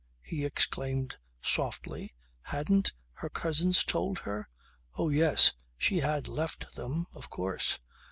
he exclaimed softly. Hadn't her cousin told her? Oh yes. She had left them of course.